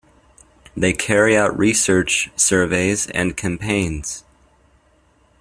They carry out research, surveys and campaigns.